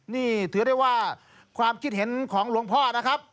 นี่ถือได้ว่าความคิดเห็นของหลวงพ่อนะครับ